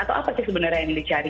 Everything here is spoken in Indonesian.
atau apa sih sebenarnya yang dicari